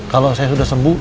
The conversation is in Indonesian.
kalau saya sudah sembuh